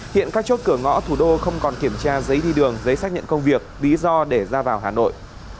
hiện các chốt cửa ngõ thủ đô không còn kiểm tra giấy đi đường giấy xác nhận công việc lý do để ra vào hà nội